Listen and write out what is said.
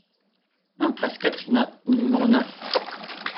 Impasse Quatrina au numéro neuf